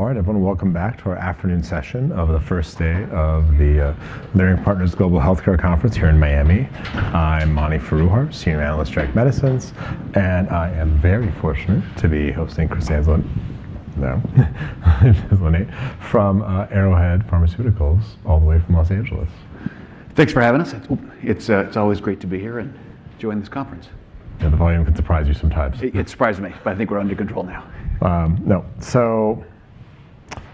All right, everyone, welcome back to our afternoon session of the first day of the Leerink Partners Global Healthcare Conference here in Miami. I'm Mani Foroohar, Senior Analyst at Leerink Partners, and I am very fortunate to be hosting Chris Anzalone from Arrowhead Pharmaceuticals, all the way from Los Angeles. Thanks for having us. It's always great to be here and join this conference. Yeah, the volume can surprise you sometimes. It surprised me, but I think we're under control now. No.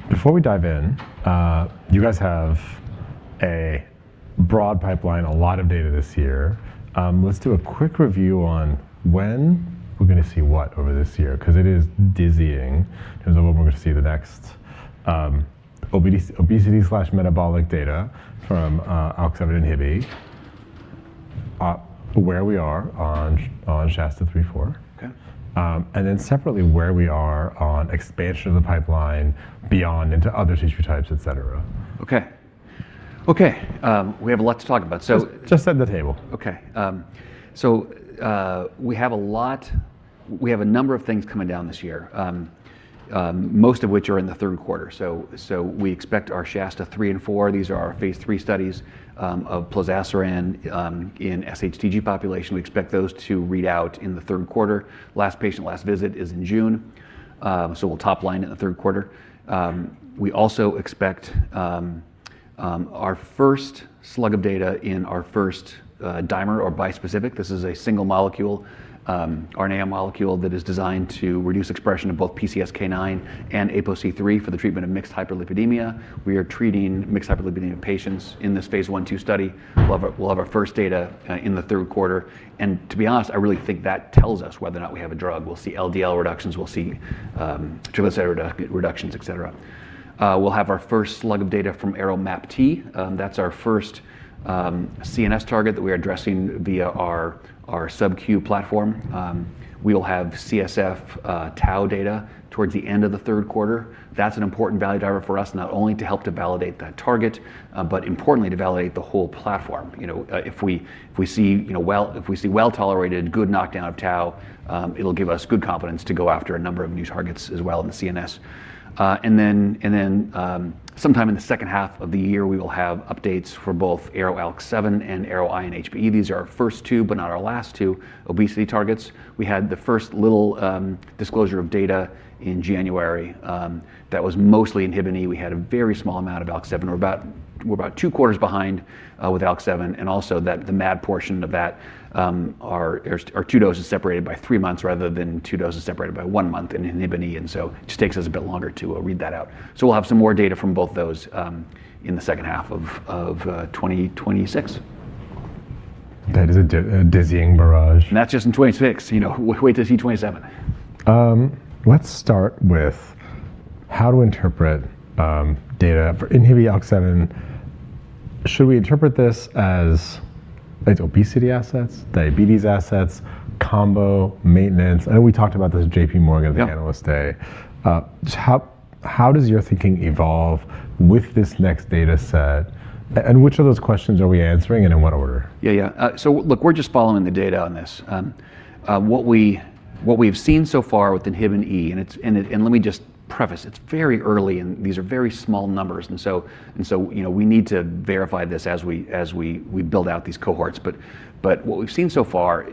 Before we dive in, you guys have a broad pipeline, a lot of data this year. Let's do a quick review on when we're gonna see what over this year, 'cause it is dizzying in terms of when we're gonna see the next, obesity slash metabolic data from, ALK7, where we are on SHASTA-3, SHASTA-4. Okay. Separately, where we are on expansion of the pipeline beyond into other CTCA types, etc. Okay. Okay, we have a lot to talk about. Just set the table. Okay. We have a number of things coming down this year. Most of which are in the third quarter. We expect our SHASTA-3 and 4, these are our phase III studies, of Plozasiran, in SHTG population. We expect those to read out in the third quarter. Last patient, last visit is in June, we'll top line in the third quarter. We also expect our first slug of data in our first dimer or bispecific. This is a single molecule, RNA molecule that is designed to reduce expression of both PCSK9 and APOC3 for the treatment of mixed hyperlipidemia. We are treating mixed hyperlipidemia patients in this phase 1/2 study. We'll have our first data in the third quarter. To be honest, I really think that tells us whether or not we have a drug. We'll see LDL reductions, we'll see triglyceride reductions, etc. We'll have our 1st slug of data from ARO-MAPT. That's our 1st CNS target that we're addressing via our subQ platform. We'll have CSF tau data towards the end of the third quarter. That's an important value driver for us, not only to help to validate that target, but importantly to validate the whole platform. You know, if we see, you know, if we see well-tolerated, good knockdown of tau, it'll give us good confidence to go after a number of new targets as well in the CNS. Then, sometime in the second half of the year, we will have updates for both ARO-ALK7 and ARO-INHBE. These are our first two, but not our last two obesity targets. We had the first little disclosure of data in January that was mostly inhibin E. We had a very small amount of ALK7. We're about two quarters behind with ALK7, and also that the MAD portion of that are two doses separated by three months rather than two doses separated by one month in inhibin E. Just takes us a bit longer to read that out. We'll have some more data from both those in the second half of 2026. That is a dizzying barrage. That's just in 2026. You know, wait till you see 2027. Let's start with how to interpret data. For ARO-ALK7, should we interpret this as its obesity assets, diabetes assets, combo, maintenance? I know we talked about this at JPMorgan. Yep ...at the Analyst Day. Just how does your thinking evolve with this next data set? Which of those questions are we answering, and in what order? Yeah, yeah. Look, we're just following the data on this. What we've seen so far with inhibin E, and let me just preface, it's very early and these are very small numbers and so, you know, we need to verify this as we build out these cohorts. What we've seen so far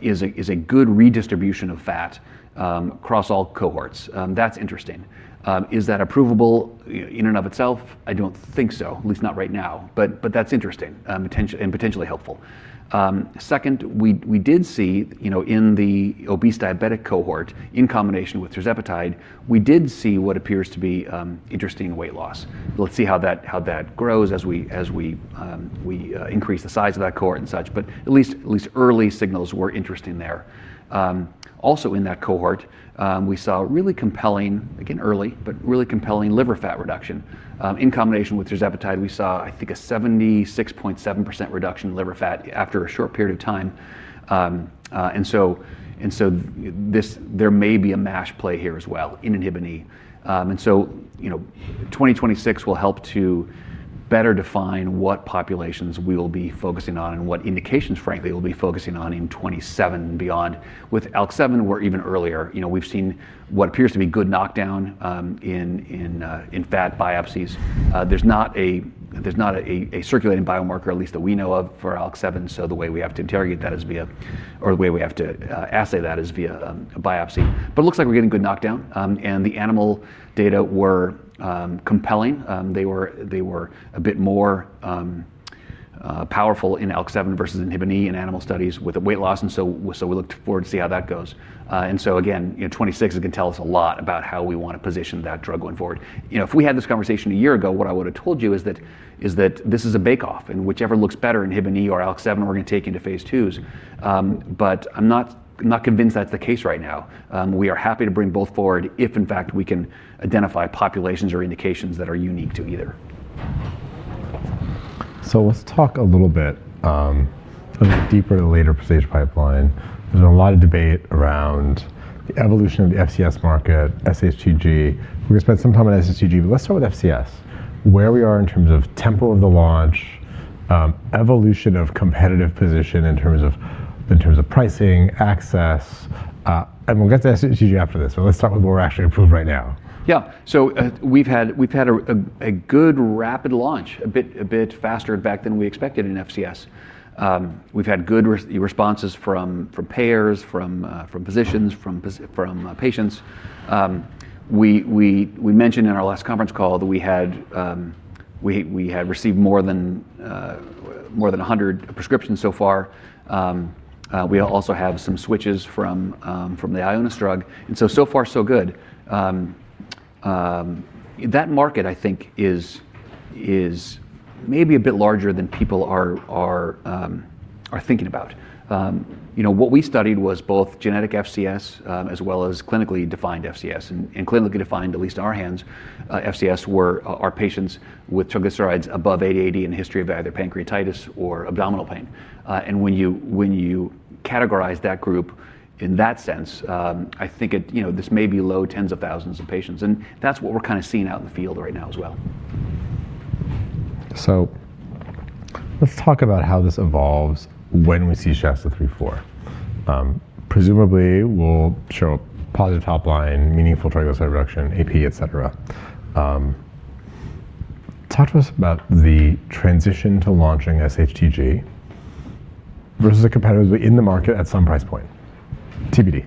is a good redistribution of fat across all cohorts. That's interesting. Is that approvable in and of itself? I don't think so, at least not right now, but that's interesting, and potentially helpful. Second, we did see, you know, in the obese diabetic cohort, in combination with tirzepatide, we did see what appears to be interesting weight loss. Let's see how that grows as we increase the size of that cohort and such, but at least early signals were interesting there. Also in that cohort, we saw really compelling, again, early, but really compelling liver fat reduction. In combination with tirzepatide, we saw, I think, a 76.7% reduction in liver fat after a short period of time. There may be a MASH play here as well in inhibin E. You know, 2026 will help to better define what populations we will be focusing on and what indications, frankly, we'll be focusing on in 2027 and beyond. With ALK7, we're even earlier. You know, we've seen what appears to be good knockdown, in fat biopsies. there's not a circulating biomarker, at least that we know of, for ALK7, so the way we have to interrogate that is via or the way we have to assay that is via a biopsy. But it looks like we're getting good knockdown. The animal data were compelling. They were a bit more powerful in ALK7 versus INHBE in animal studies with the weight loss. We looked forward to see how that goes. Again, you know, 26 is gonna tell us a lot about how we wanna position that drug going forward. You know, if we had this conversation a year ago, what I would've told you is that this is a bake off, and whichever looks better, Inhibin E or ALK7, we're gonna take into phase IIs. I'm not convinced that's the case right now. We are happy to bring both forward if, in fact, we can identify populations or indications that are unique to either. Let's talk a little bit, a little deeper later stage pipeline. There's a lot of debate around the evolution of the FCS market, SHTG. We're gonna spend some time on SHTG. Let's start with FCS, where we are in terms of tempo of the launch, evolution of competitive position in terms of pricing, access, and we'll get to SHTG after this. Let's start with what we're actually approved right now. Yeah. We've had a good rapid launch, a bit faster in fact than we expected in FCS. We've had good responses from payers, from physicians, from patients. We mentioned in our last conference call that we had received more than 100 prescriptions so far. We also have some switches from the Ionis drug, so far so good. That market, I think, is maybe a bit larger than people are thinking about. You know, what we studied was both genetic FCS, as well as clinically defined FCS. Clinically defined, at least in our hands, FCS are patients with triglycerides above 880 and a history of either pancreatitis or abdominal pain. When you categorize that group in that sense, I think it, you know, this may be low tens of thousands of patients, and that's what we're kind of seeing out in the field right now as well. Let's talk about how this evolves when we see SHASTA 3/4. Presumably we'll show a positive top line, meaningful triglyceride reduction, AP, etc. Talk to us about the transition to launching SHTG versus a competitor in the market at some price point, TBD.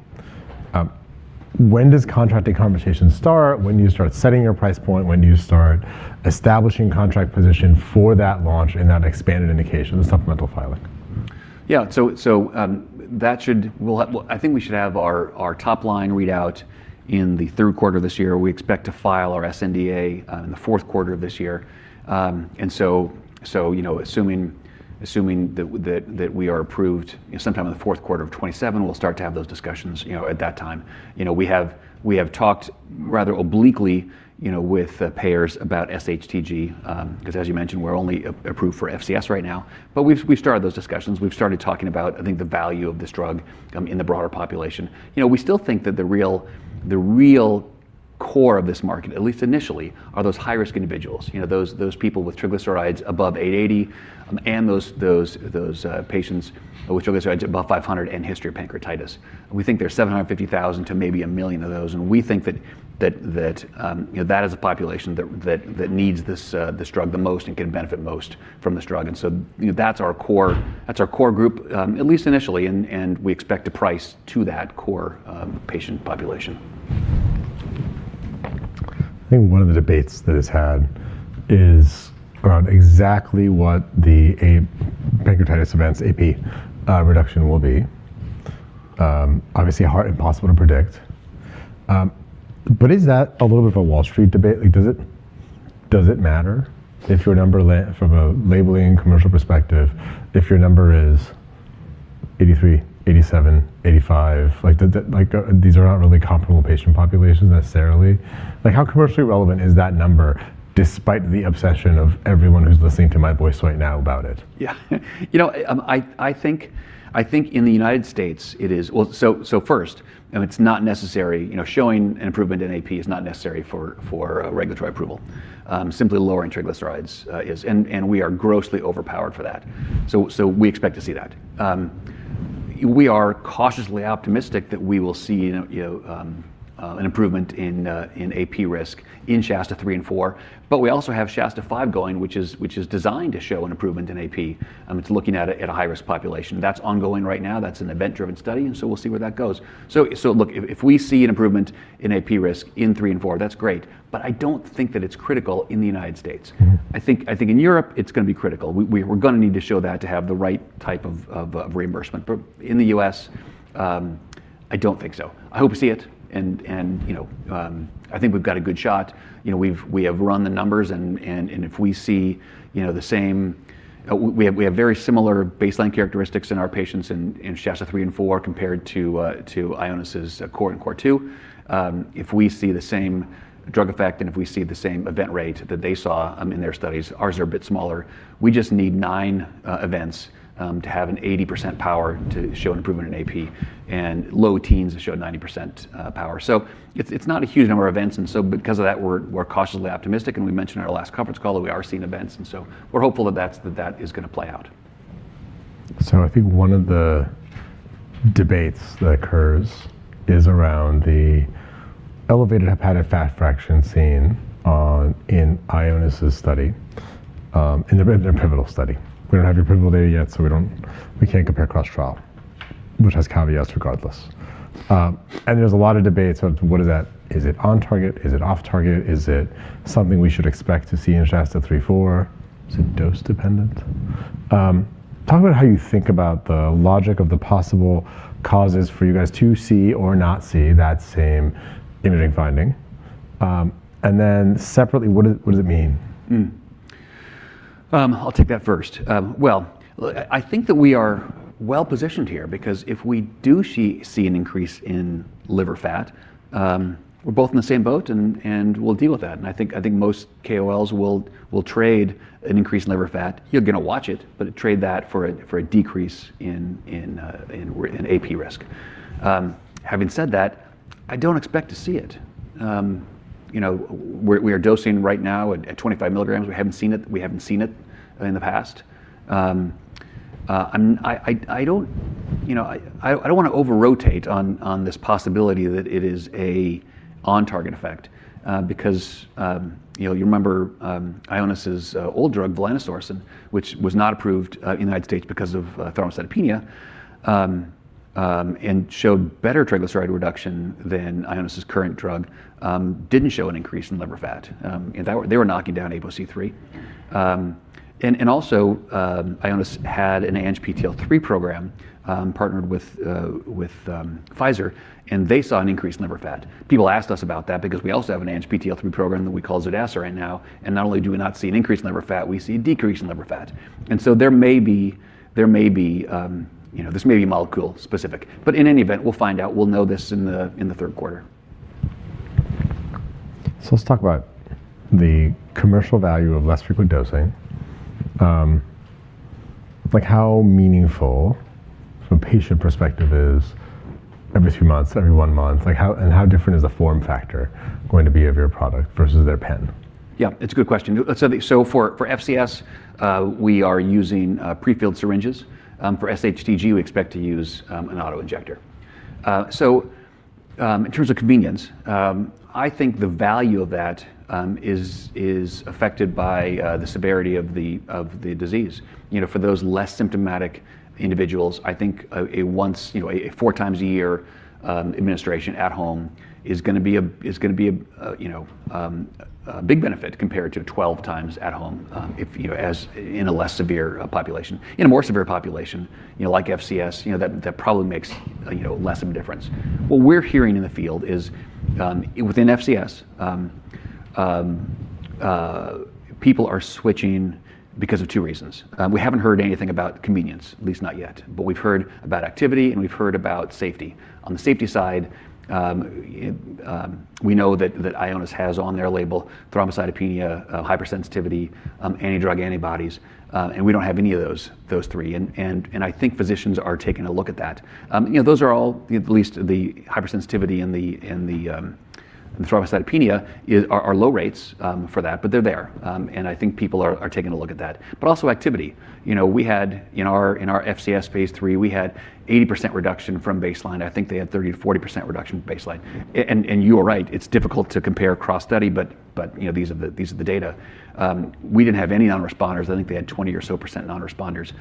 When does contracting conversations start? When do you start setting your price point? When do you start establishing contract position for that launch and that expanded indication, the supplemental filing? Yeah. Well, I think we should have our top line readout in the third quarter of this year. We expect to file our sNDA in the fourth quarter of this year. You know, assuming that we are approved sometime in the fourth quarter of 2027, we'll start to have those discussions, you know, at that time. You know, we have talked rather obliquely, you know, with payers about SHTG, 'cause as you mentioned, we're only approved for FCS right now. We've started those discussions. We've started talking about, I think, the value of this drug in the broader population. You know, we still think that the real core of this market, at least initially, are those high-risk individuals, you know, those people with triglycerides above 880, and those patients with triglycerides above 500 and history of pancreatitis. We think there's 750,000 to maybe 1 million of those, and we think that, you know, that is a population that needs this drug the most and can benefit most from this drug. You know, that's our core group, at least initially, and we expect to price to that core patient population. I think one of the debates that is had is around exactly what the pancreatitis events, AP, reduction will be. Obviously hard and impossible to predict. Is that a little bit of a Wall Street debate? Like, does it matter if your number from a labeling commercial perspective, if your number is 83, 87, 85? Like, the, like, these are not really comparable patient populations necessarily. Like, how commercially relevant is that number despite the obsession of everyone who's listening to my voice right now about it? Yeah. You know, I think in the United States it is... First, it's not necessary, you know, showing an improvement in AP is not necessary for regulatory approval. Simply lowering triglycerides, and we are grossly overpowered for that. We expect to see that. We are cautiously optimistic that we will see an improvement in AP risk in SHASTA-3 and SHASTA-4. We also have SHASTA-5 going, which is designed to show an improvement in AP. It's looking at a high-risk population. That's ongoing right now. That's an event-driven study. We'll see where that goes. Look, if we see an improvement in AP risk in three and four, that's great, but I don't think that it's critical in the United States. I think in Europe it's gonna be critical. We're gonna need to show that to have the right type of reimbursement. In the U.S., I don't think so. I hope we see it and, you know, I think we've got a good shot. You know, we have run the numbers and if we see, you know, the same. We have very similar baseline characteristics in our patients in SHASTA-3 and -4 compared to Ionis' core and core 2. If we see the same drug effect and if we see the same event rate that they saw in their studies, ours are a bit smaller, we just need nine events to have an 80% power to show an improvement in AP and low teens to show a 90% power. It's not a huge number of events. Because of that we're cautiously optimistic. We mentioned in our last conference call that we are seeing events. We're hopeful that that's that that is gonna play out. I think one of the debates that occurs is around the elevated hepatic fat fraction seen on, in Ionis' study, in their, in their pivotal study. We don't have your pivotal data yet, so we can't compare across trial, which has caveats regardless. There's a lot of debates about what is that? Is it on target? Is it off target? Is it something we should expect to see in SHASTA-3, SHASTA-4? Is it dose dependent? Talk about how you think about the logic of the possible causes for you guys to see or not see that same imaging finding. Separately, what does it mean? I'll take that first. Well, I think that we are well-positioned here because if we do see an increase in liver fat, we're both in the same boat and we'll deal with that. I think most KOLs will trade an increase in liver fat, you're gonna watch it, but trade that for a decrease in AP risk. Having said that, I don't expect to see it. you know, we're dosing right now at 25 milligrams. We haven't seen it. We haven't seen it in the past. I don't, you know, I don't wanna over-rotate on this possibility that it is a on-target effect, because, you know, you remember Ionis's old drug, vupanorsen, which was not approved in the United States because of thrombocytopenia, and showed better triglyceride reduction than Ionis's current drug, didn't show an increase in liver fat. They were knocking down APOC3. Also, Ionis had an ANGPTL3 program, partnered with Pfizer, and they saw an increase in liver fat. People asked us about that because we also have an ANGPTL3 program that we call Zodasiran right now, and not only do we not see an increase in liver fat, we see a decrease in liver fat. There may be, you know, this may be molecule specific. In any event, we'll find out. We'll know this in the third quarter. Let's talk about the commercial value of less frequent dosing. Like how meaningful from a patient perspective is every two months, every one month? Like how, and how different is the form factor going to be of your product versus their pen? Yeah, it's a good question. For FCS, we are using prefilled syringes. For SHTG, we expect to use an auto-injector. In terms of convenience, I think the value of that is affected by the severity of the disease. You know, for those less symptomatic individuals, I think a once, you know, a 4x a year administration at home is gonna be a, you know, a big benefit compared to 12x at home, if, you know, as in a less severe population. In a more severe population, you know, like FCS, you know, that probably makes, you know, less of a difference. What we're hearing in the field is within FCS, people are switching because of two reasons. We haven't heard anything about convenience, at least not yet, but we've heard about activity, and we've heard about safety. On the safety side, we know that Ionis has on their label thrombocytopenia, hypersensitivity, anti-drug antibodies, and we don't have any of those three, and I think physicians are taking a look at that. You know, those are all at least the hypersensitivity and the thrombocytopenia are low rates for that, but they're there, and I think people are taking a look at that. Also activity. You know, we had in our FCS phase III, we had 80% reduction from baseline. I think they had 30%-40% reduction from baseline. You are right, it's difficult to compare cross-study, but, you know, these are the data. We didn't have any non-responders. I think they had 20% or so non-responders.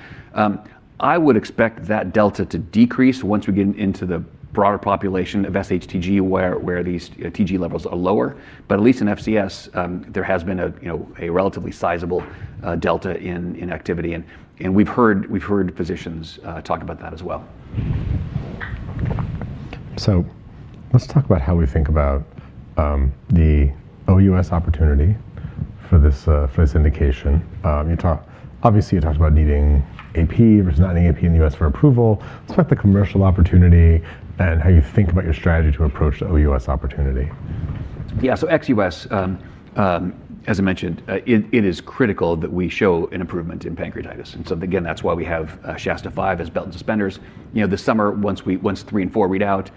I would expect that delta to decrease once we get into the broader population of SHTG where these TG levels are lower. At least in FCS, there has been a, you know, a relatively sizable delta in activity, and we've heard physicians talk about that as well. Let's talk about how we think about the OUS opportunity for this for this indication. obviously, you talked about needing AP. There's not any AP in the U.S. for approval. Let's talk the commercial opportunity and how you think about your strategy to approach the OUS opportunity. Yeah. Ex-U.S., as I mentioned, it is critical that we show an improvement in pancreatitis. Again, that's why we have SHASTA-5 as belt and suspenders. You know, this summer, once three and four read out,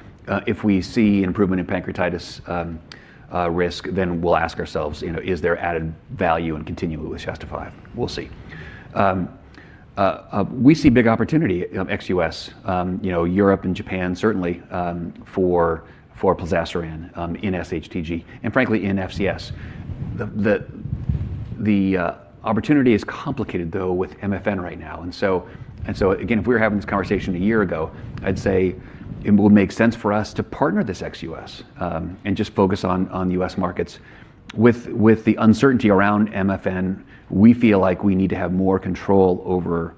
if we see an improvement in pancreatitis risk, then we'll ask ourselves, you know, is there added value in continuing with SHASTA-5? We'll see. We see big opportunity ex-U.S., you know, Europe and Japan certainly, for Plozasiran in SHTG and frankly in FCS. The opportunity is complicated though with Most-Favored-Nation right now. Again, if we were having this conversation a year ago, I'd say it would make sense for us to partner this ex-U.S., and just focus on U.S. markets. With the uncertainty around Most-Favored-Nation, we feel like we need to have more control over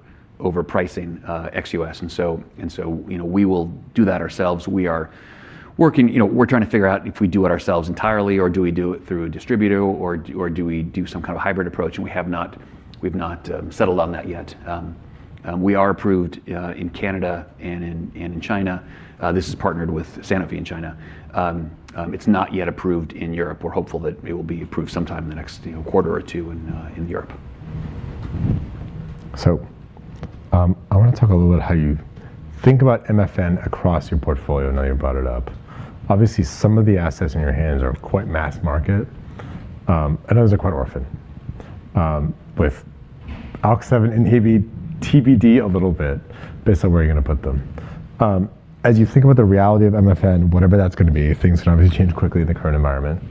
pricing, ex-US. You know, we will do that ourselves. We are working. You know, we're trying to figure out if we do it ourselves entirely, or do we do it through a distributor or do we do some kind of hybrid approach? We've not settled on that yet. We are approved in Canada and in China. This is partnered with Sanofi in China. It's not yet approved in Europe. We're hopeful that it will be approved sometime in the next, you know, quarter or two in Europe. I wanna talk a little about how you think about Most-Favored-Nation across your portfolio now you brought it up. Obviously, some of the assets in your hands are quite mass market, and others are quite orphan, with ALK7 TBD a little bit based on where you're gonna put them. As you think about the reality of Most-Favored-Nation, whatever that's gonna be, things can obviously change quickly in the current environment,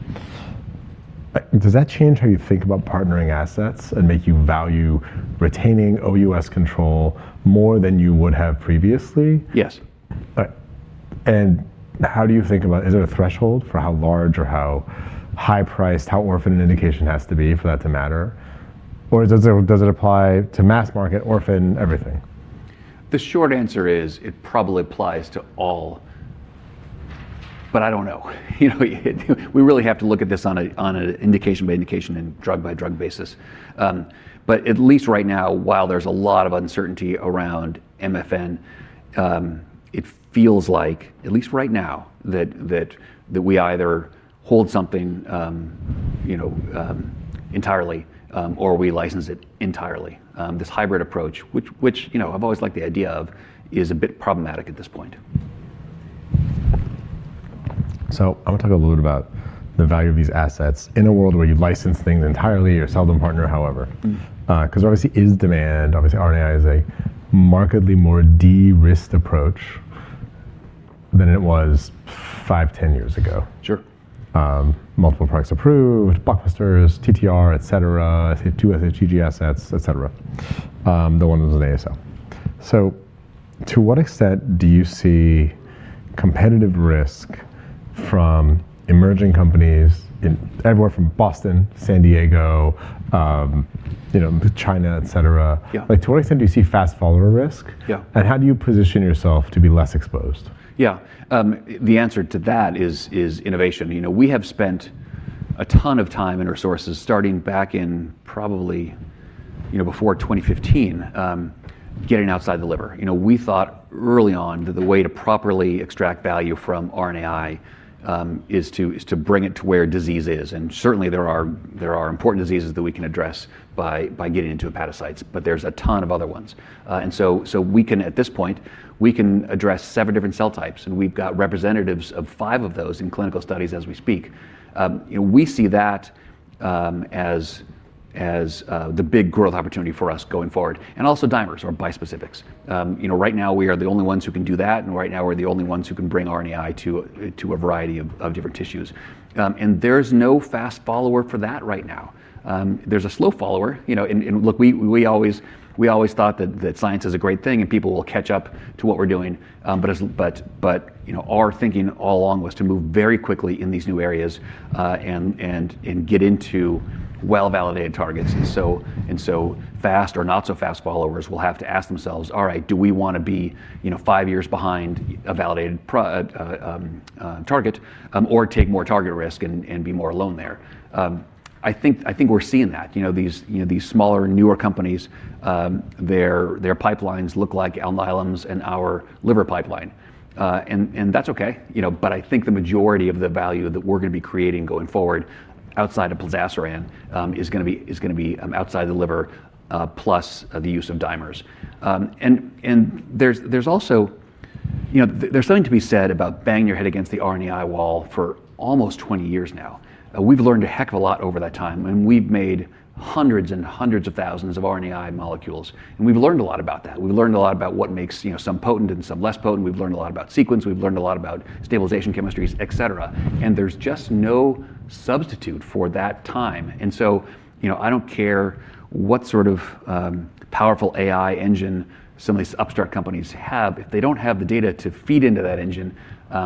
does that change how you think about partnering assets and make you value retaining OUS control more than you would have previously? Yes. How do you think about... Is there a threshold for how large or how high priced, how orphan an indication has to be for that to matter? Or does it apply to mass market, orphan, everything? The short answer is it probably applies to all, but I don't know. You know we really have to look at this on an indication by indication and drug by drug basis. At least right now, while there's a lot of uncertainty around Most-Favored-Nation, it feels like, at least right now that we either hold something, you know, entirely, or we license it entirely. This hybrid approach, which, you know, I've always liked the idea of is a bit problematic at this point. I wanna talk a little bit about the value of these assets in a world where you license things entirely or sell them, partner, however. 'Cause obviously is demand, obviously RNAi is a markedly more de-risked approach than it was five, 10 years ago. Sure. Multiple products approved, blockbusters, TTR, etc, I think two ASHG assets, etc, the one that was an AASLD. To what extent do you see competitive risk from emerging companies in everywhere from Boston, San Diego, China, etc? Yeah. Like to what extent do you see fast follower risk? Yeah. How do you position yourself to be less exposed? Yeah. The answer to that is innovation. You know, we have spent a ton of time and resources starting back in probably, you know, before 2015, getting outside the liver. You know, we thought early on that the way to properly extract value from RNAi, is to, is to bring it to where disease is. Certainly there are, there are important diseases that we can address by getting into hepatocytes, but there's a ton of other ones. We can at this point, we can address seven different cell types, and we've got representatives of five of those in clinical studies as we speak. You know, we see that, as, the big growth opportunity for us going forward, and also dimers or bispecifics. You know, right now we are the only ones who can do that. Right now we're the only ones who can bring RNAi to a variety of different tissues. There's no fast follower for that right now. There's a slow follower, you know. Look, we always thought that science is a great thing and people will catch up to what we're doing, but, you know, our thinking all along was to move very quickly in these new areas and get into well-validated targets. So fast or not so fast followers will have to ask themselves, "All right. Do we wanna be, you know, five years behind a validated target or take more target risk and be more alone there? I think we're seeing that, you know, these smaller and newer companies, their pipelines look like Alnylam's and our liver pipeline. And that's okay, you know. I think the majority of the value that we're gonna be creating going forward outside of Plozasiran is gonna be outside the liver plus the use of dimers. And there's also, you know, there's something to be said about banging your head against the RNAi wall for almost 20 years now. We've learned a heck of a lot over that time, and we've made hundreds and hundreds of thousands of RNAi molecules, and we've learned a lot about that. We've learned a lot about what makes, you know, some potent and some less potent. We've learned a lot about sequence. We've learned a lot about stabilization chemistries, etc. There's just no substitute for that time. You know, I don't care what sort of powerful AI engine some of these upstart companies have. If they don't have the data to feed into that engine,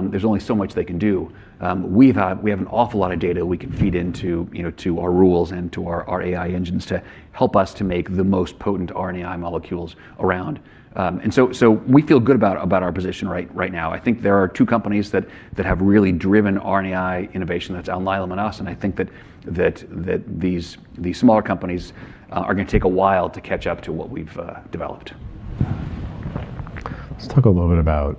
there's only so much they can do. We have an awful lot of data we can feed into, you know, to our rules and to our AI engines to help us to make the most potent RNAi molecules around. We feel good about our position right now. I think there are two companies that have really driven RNAi innovation. That's Alnylam and us, and I think that these smaller companies are gonna take a while to catch up to what we've developed. Let's talk a little bit about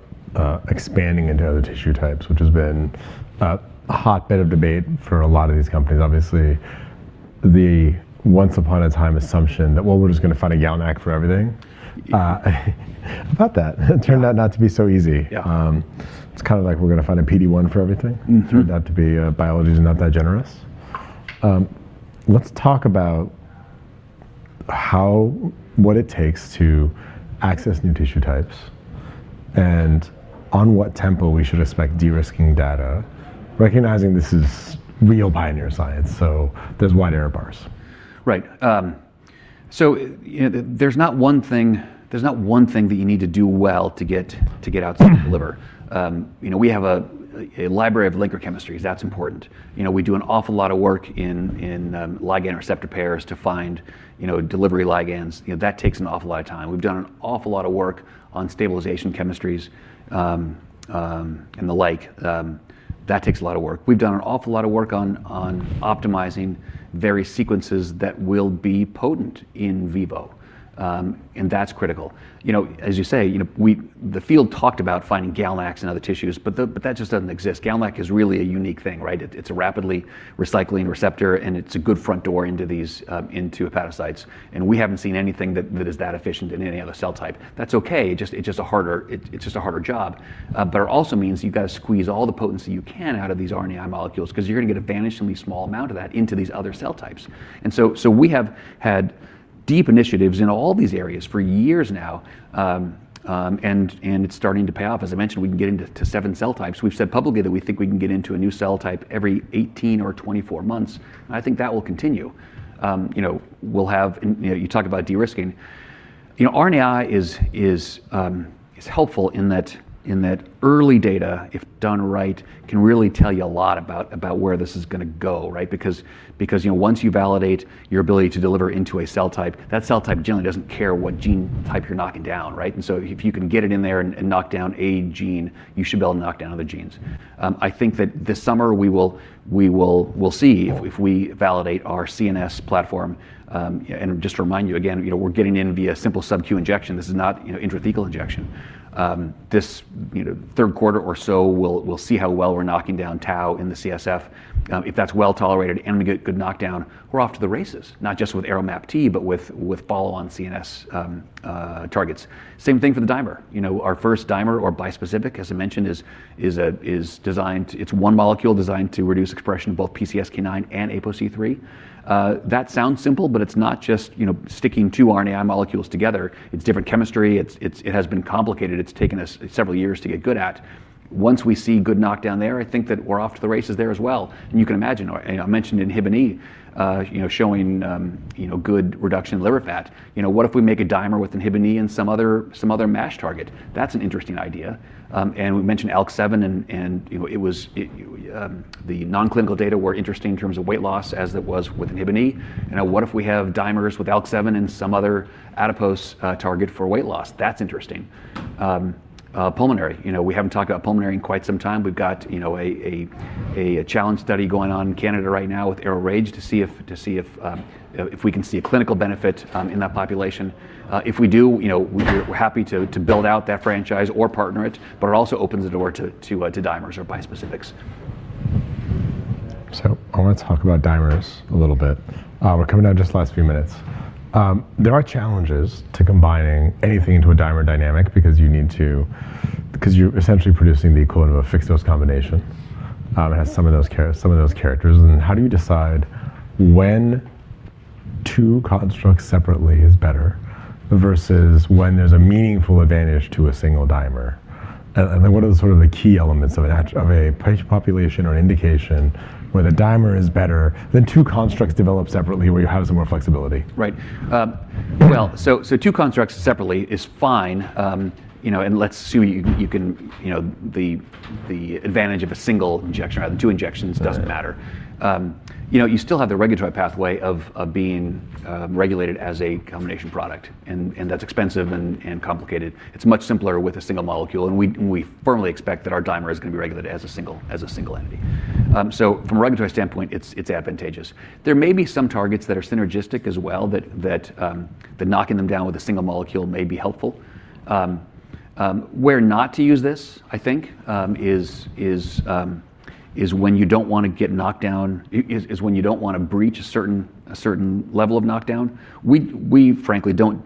expanding into other tissue types, which has been a hotbed of debate for a lot of these companies. Obviously, the once upon a time assumption that, well, we're just gonna find a GalNAc for everything. About that, it turned out not to be so easy. Yeah. It's kind of like we're gonna find a PD-1 for everything. Proved not to be. Biology's not that generous. Let's talk about what it takes to access new tissue types and on what tempo we should expect de-risking data, recognizing this is real pioneer science, so there's wide error bars. Right. You know, there's not one thing, there's not one thing that you need to do well to get outside the liver. You know, we have a library of linker chemistries. That's important. You know, we do an awful lot of work in ligand-receptor pairs to find, you know, delivery ligands. You know, that takes an awful lot of time. We've done an awful lot of work on stabilization chemistries, and the like. That takes a lot of work. We've done an awful lot of work on optimizing various sequences that will be potent in vivo, and that's critical. You know, as you say, you know, the field talked about finding GalNAc in other tissues, but that just doesn't exist. GalNAc is really a unique thing, right? It's a rapidly recycling receptor, and it's a good front door into these hepatocytes, and we haven't seen anything that is that efficient in any other cell type. That's okay. It's just a harder job. But it also means you've gotta squeeze all the potency you can out of these RNAi molecules 'cause you're gonna get a vanishingly small amount of that into these other cell types. We have had deep initiatives in all these areas for years now, and it's starting to pay off. As I mentioned, we can get into seven cell types. We've said publicly that we think we can get into a new cell type every 18 or 24 months. I think that will continue. You know, we'll have, you know, you talk about de-risking. You know, RNAi is helpful in that, in that early data, if done right, can really tell you a lot about where this is gonna go, right? Because you know, once you validate your ability to deliver into a cell type, that cell type generally doesn't care what gene type you're knocking down, right? And so if you can get it in there and knock down a gene, you should be able to knock down other genes. I think that this summer we will, we'll see if we validate our CNS platform. Yeah, and just to remind you again, you know, we're getting in via simple subQ injection, this is not, you know, intrathecal injection. This, you know, third quarter or so, we'll see how well we're knocking down tau in the CSF. If that's well-tolerated and we get good knockdown, we're off to the races, not just with ARO-MAPT, but with follow-on CNS targets. Same thing for the dimer. You know, our first dimer or bispecific, as I mentioned, is designed. It's one molecule designed to reduce expression of both PCSK9 and APOC3. That sounds simple, but it's not just, you know, sticking two RNAi molecules together. It's different chemistry. It has been complicated. It's taken us several years to get good at. Once we see good knockdown there, I think that we're off to the races there as well. You can imagine, and I mentioned Inhibin E, you know, showing, you know, good reduction in liver fat. You know, what if we make a dimer with Inhibin E and some other, some other MASH target? That's an interesting idea. We mentioned ALK7 and you know, the non-clinical data were interesting in terms of weight loss as it was with Inhibin E. What if we have dimers with ALK7 and some other adipose target for weight loss? That's interesting. Pulmonary. You know, we haven't talked about pulmonary in quite some time. We've got, you know, a challenge study going on in Canada right now with ARO-RAGE to see if we can see a clinical benefit in that population. If we do, you know, we're happy to build out that franchise or partner it, but it also opens the door to dimers or bispecifics. I wanna talk about dimers a little bit. We're coming down to just last few minutes. There are challenges to combining anything into a dimer dynamic because you're essentially producing the equivalent of a fixed-dose combination, as some of those characters. How do you decide when two constructs separately is better versus when there's a meaningful advantage to a single dimer? What are sort of the key elements of a patient population or indication where the dimer is better than two constructs developed separately where you have some more flexibility? Right. Well, so two constructs separately is fine, you know, and let's assume you can, you know, the advantage of a single injection rather than two injections doesn't matter. You know, you still have the regulatory pathway of being regulated as a combination product, and that's expensive and complicated. It's much simpler with a single molecule, and we firmly expect that our dimer is gonna be regulated as a single entity. From a regulatory standpoint, it's advantageous. There may be some targets that are synergistic as well that knocking them down with a single molecule may be helpful. Where not to use this, I think, is when you don't wanna get knockdown is when you don't wanna breach a certain level of knockdown. We frankly don't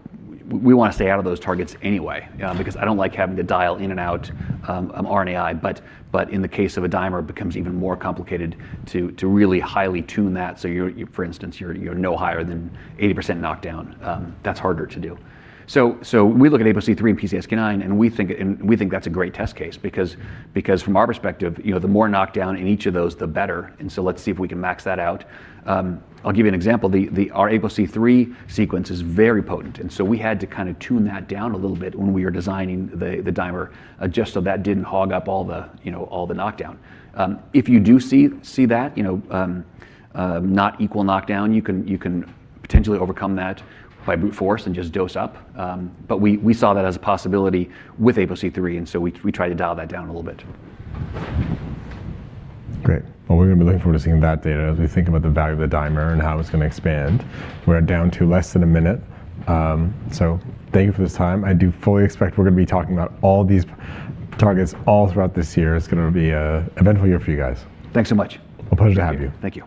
wanna stay out of those targets anyway, because I don't like having to dial in and out an RNAi. In the case of a dimer, it becomes even more complicated to really highly tune that so you're, for instance, you're no higher than 80% knockdown. That's harder to do. We look at APOC3 and PCSK9, and we think that's a great test case because from our perspective, you know, the more knockdown in each of those, the better. Let's see if we can max that out. I'll give you an example. The APOC3 sequence is very potent. We had to kinda tune that down a little bit when we were designing the dimer, just so that didn't hog up all the, you know, all the knockdown. If you do see that, you know, not equal knockdown, you can potentially overcome that by brute force and just dose up. We saw that as a possibility with APOC3. We tried to dial that down a little bit. Great. Well, we're gonna be looking forward to seeing that data as we think about the value of the dimer and how it's gonna expand. We're down to less than a minute. Thank you for this time. I do fully expect we're gonna be talking about all these targets all throughout this year. It's gonna be a eventful year for you guys. Thanks so much. A pleasure to have you. Thank you.